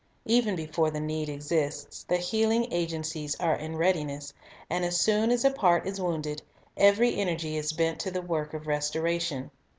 Even before the need exists, the healing agencies are in readiness; and as soon as a part is wounded, every energy is bent to the work of restoration.